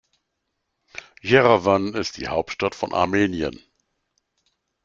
Jerewan ist die Hauptstadt von Armenien.